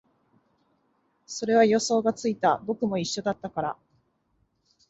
それは予想がついた、僕も一緒だったから